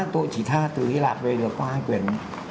tôi chỉ tha từ hy lạp về được qua hai cuốn